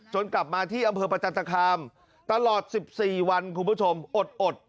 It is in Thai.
กลับมาที่อำเภอประจันตคามตลอด๑๔วันคุณผู้ชมอด